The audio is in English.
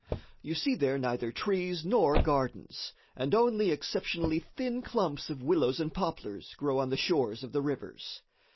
You see there neither trees nor gardens, and only exceptionally thin clumps of willows and poplars grow on the shores of the rivers.